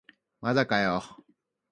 まだかよ